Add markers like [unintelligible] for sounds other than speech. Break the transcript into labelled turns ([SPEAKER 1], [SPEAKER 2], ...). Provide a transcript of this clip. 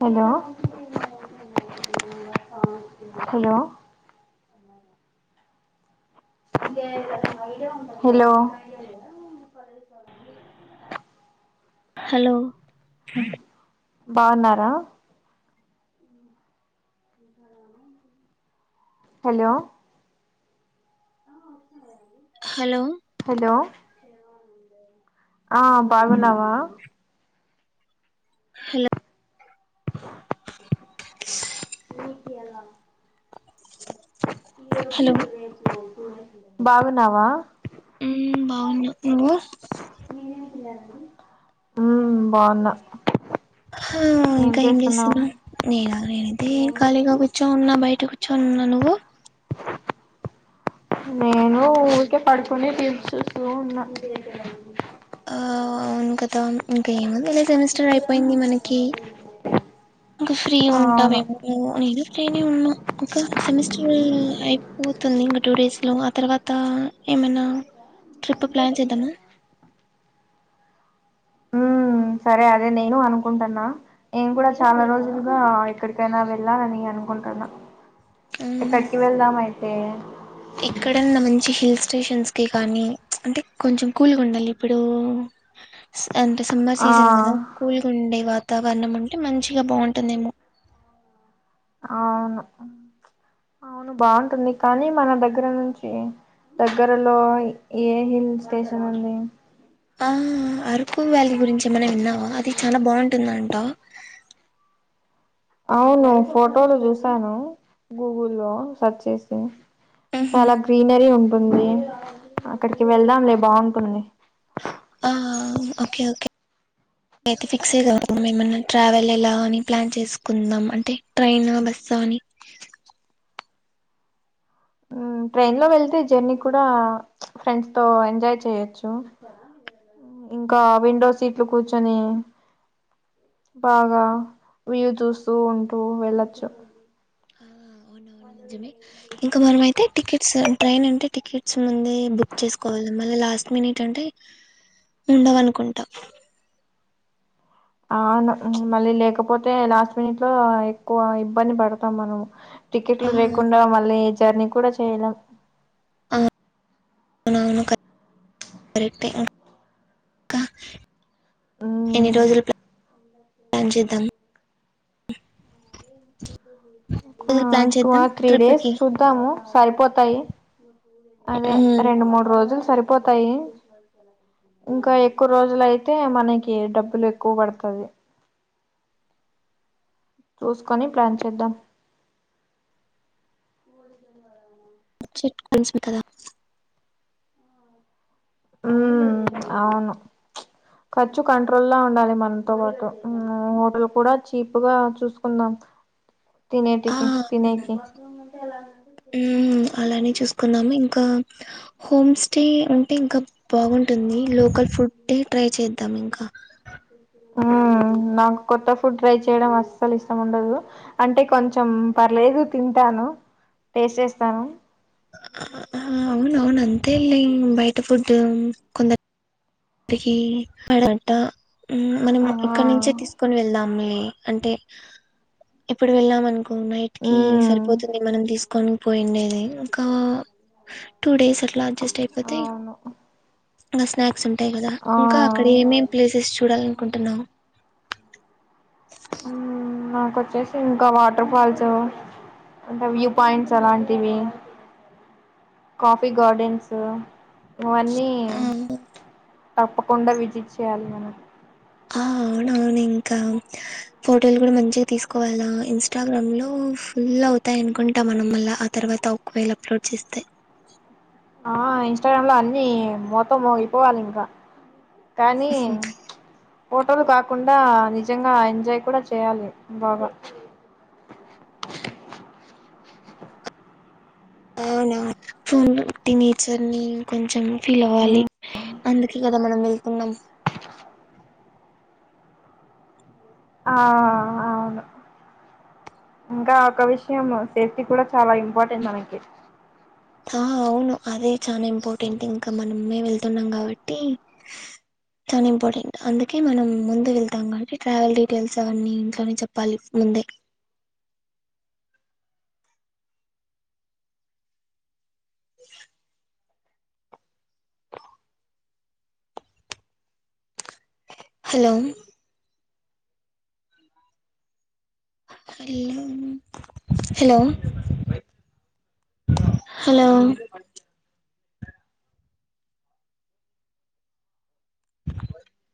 [SPEAKER 1] Hello hello hello [inaudible]
[SPEAKER 2] hello
[SPEAKER 1] బావున్నారా. Hello
[SPEAKER 2] hello
[SPEAKER 1] hello ఆ బాగున్నావా
[SPEAKER 2] హలో
[SPEAKER 1] [unintelligible]
[SPEAKER 2] [unintelligible]
[SPEAKER 1] మీకాల
[SPEAKER 2] హలో
[SPEAKER 1] బాగున్నావా
[SPEAKER 2] బాగున్నాను నువ్వు
[SPEAKER 1] బాగున్నా
[SPEAKER 2] ఇంకా ఏం చేస్తున్నా నే నేనైతే ఖాళీగా కూర్చోన్నా బయట అ కూచ్చ నువు
[SPEAKER 1] [unintelligible] నేను ఊరికే పడుకొని తీర్ చూస్తూ ఉన్నాను
[SPEAKER 2] ఆ ఇంకద ఇంకా ఏముంది లే సెమిస్టర్ అయిపోయింది మనకి
[SPEAKER 1] అ
[SPEAKER 2] ఇంకా ఫ్రీ ఉంటావేమో నేను ఫ్రీనే ఉన్నా ఒక సెమిస్టర్ అయిపోతుంది టూ డేస్ లో ఆ తర్వాత ఏమైనా ట్రిప్ ప్లాన్ చేద్దామా
[SPEAKER 1] హమ్ సరే అదే నేను అనుకుంటాన్నా నేను కూడా చాలా రోజులుగా ఎక్కడికైనా వెళ్ళాలని అ అనుకుంటున్న
[SPEAKER 2] ఎక్కడన్నా మంచి హిల్ స్టేషన్స్ ఓ కానీ అంటే కొంచెం కూల్గా ఉండాలి ఇప్పుడు అండ్ సమ్మర్
[SPEAKER 1] ఆ
[SPEAKER 2] సీసన్ కదా కోల్ గుండై వా వాతావరణం ఉంటే మంచిగా బాగుంటుందేమో
[SPEAKER 1] అవును అవును బాగుంటుంది కానీ మన దగ్గర నుంచి దగ్గరలో ఏ హిల్ స్టేషన్ ఉంది
[SPEAKER 2] ఆ అరకు వ్యాలీ గురించి ఏమైనా విన్నావా అది చాలా బాగుంటుందండి [unintelligible]
[SPEAKER 1] అవును ఫోటోలు చూసాను గూగుల్ లో సర్చ్ చేసి
[SPEAKER 2] ఉహు
[SPEAKER 1] చాలా గ్రీనరీ ఉంటుంది అక్కడికి వెళ్దాంలే బాగుంటుంది
[SPEAKER 2] ఆ ఓకే ఓకే అయితే ఫిక్స్ అయి మేమన్నా ట్రావెల్ ఎలా అని ప్లాన్ చేసుకుందాం అంటే ట్రైన్ బస్ సని
[SPEAKER 1] [unintelligible] ట్రైన్ లో వెళ్తే జర్నీ కూడా ఫ్రెండ్స్ తో ఎంజాయ్ చేయచ్చు ఇంకా విండో సీట్లు కూర్చొని బాగా వ్యూ చూస్తూ ఉంటూ వెళ్ళొచ్చు
[SPEAKER 2] ఆ, అవునవును నిజమే ఇంకా మనము అయితే టికెట్స్ ట్రైన్ అంటే టికెట్స్ ముంద బుక్ చేసుకోవాలి మళ్ళ లాస్ట్ మినిట్ అంటే అంటే ఉండవనుకుంటాం
[SPEAKER 1] అవును మళ్ళీ లేకపోతే లాస్ట్ మినిట్ లో ఎక్కువ ఇబ్బంది పడతాం మనము
[SPEAKER 2] ఆ
[SPEAKER 1] టికెట్లు లేకుండా మళ్ళీ జర్నీ కూడా చేయలేం
[SPEAKER 2] అవును కరెక్టే ఇంకా ఎన్ని
[SPEAKER 1] మ్మ్
[SPEAKER 2] రోజులు ప్లాన్ చేద్దాం
[SPEAKER 1] ఆ
[SPEAKER 2] రోజులు ప్లాన్
[SPEAKER 1] టూ
[SPEAKER 2] చేద్దాం
[SPEAKER 1] ఆర్ త్రీ
[SPEAKER 2] ట్రిప్
[SPEAKER 1] డేస్
[SPEAKER 2] కి
[SPEAKER 1] చూద్దాము సరిపోతాయి అదే రెండు మూడు రోజులు సరిపోతాయి ఇంకా ఎక్కువ రోజులు అయితే మనకి డబ్బులు ఎక్కువ పడుతది చూస్కొని ప్లాన్ చేద్దాం
[SPEAKER 2] చెట్ కొనిసిన కాదా
[SPEAKER 1] అవును ఖర్చు కంట్రోల్లా ఉండాలి మన్ తో బాటు ఊఁ హోటల్ కూడ చీప్ గా చూస్కుందాం
[SPEAKER 2] ఆ ఊ హు అలానే చేసుకుందాం ఇంకా హోమ్ స్టే అంటే ఇంక బాగుంట్ టుంది లోకల్ ఫుడ్ ట్రై చేద్దాం ఇంకా
[SPEAKER 1] ఆ నాక్ కొత్త ఫుడ్ ట్రై చేయడం అస్సల్ ఇష్టం ఉండదూ అంటే కొంచం పర్లేదు తింటా ను టేస్ట్ జేస్తాను.
[SPEAKER 2] అవునవును అంతేలే బయట ఫుడ్ కొందర్ రికి పాడ్వాంట ఊ మనం
[SPEAKER 1] ఆ
[SPEAKER 2] ఇక్కనుచ్చే తీసుకోనివెళదాంలే అంటే ఇప్పుడు వెళ్ళాం అన్కో నైట్ కీ
[SPEAKER 1] మ్మ్
[SPEAKER 2] సరిపోతుంది మనం తీస్కొన్ పోయిండేది ఇంకా టూ డేస్ అట్లా అడ్జెస్ట్
[SPEAKER 1] అవును ఉ
[SPEAKER 2] ఇంగ స్నాక్స్ ఉంటాయ్ గదా ఇంకా అక్కడ ఏమేం ప్లేసెస్ చూడాలనుకుంటున్నావ్
[SPEAKER 1] మ్మ్ నాకొచ్చేసి ఇంకా వాటర్ ఫాల్సూ ఇంకా వ్యూ పాయింట్స్ అలాంటివీ కాఫీ గాడెన్సూ ఇవన్నీ తప్పకుండ విజిట్ చేయాలి మనం
[SPEAKER 2] ఆ అవునవును ఇంకా ఫోటోలు గుడ మంచిగ తీసుకోవాలా ఇంస్టాగ్రామ్ లో ఫుల్ అవుతాయ్ అనుకుంటా మనం మల్లా ఆ తర్ ర్వాత ఒక వేళా అప్లోడ్ చెస్తే
[SPEAKER 1] ఆ ఇంస్టాగ్రామ్ లో అన్నీ మోత మోగిపోవాలింక కానీ ఫోటోలు కాకుండా నిజంగా ఎంజాయ్ కూడ చేయాలి బాగా
[SPEAKER 2] అవునా ఫోన్ లో టినేచర్ నీ కొంచం ఫీల్ అవ్వాలి అందుకే గాదా మనం ఎళ్తున్నం
[SPEAKER 1] ఆ.. ఔను ఇంకా ఒక విషయం సేఫ్టీ కూడా చాలా ఇంపార్టెంట్ మనకి
[SPEAKER 2] ఆ ఔను అదే చాన ఇంపార్టెంట్ ఇంక మనమే ఎళ్తున్నాం కాబట్టీ చాన ఇంపార్టెంట్ అందుకే మనం ముందు వెళ్తాం గాబట్టి ట్రావెల్ డీటేల్స్ అవన్నీ ఇంట్లోనే చెప్పాలి ముందే హలో హలో హాలో హలో